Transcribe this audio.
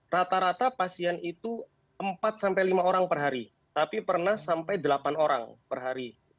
rata rata pasien itu empat sampai lima orang per hari tapi pernah sampai delapan orang per hari